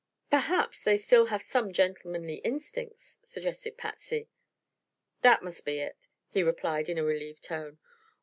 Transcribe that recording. "Perhaps they still have some gentlemanly instincts," suggested Patsy. "That must be it," he replied in a relieved tone.